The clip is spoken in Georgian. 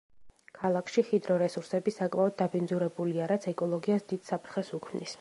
ქალაქში ჰიდრო რესურსები საკმაოდ დაბინძურებულია, რაც ეკოლოგიას დიდ საფრთხეს უქმნის.